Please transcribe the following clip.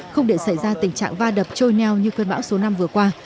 không để xảy ra tình trạng va đập trôi neo như cơn bão số năm vừa qua